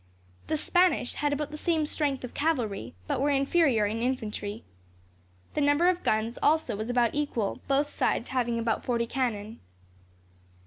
The Spanish had about the same strength of cavalry, but were inferior in infantry. The number of guns also was about equal, both sides having about forty cannon.